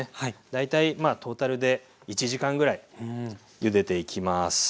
大体トータルで１時間ぐらいゆでていきます。